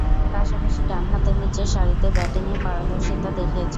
পাশাপাশি ডানহাতে নিচের সারিতে ব্যাটিংয়ে পারদর্শিতা দেখিয়েছেন।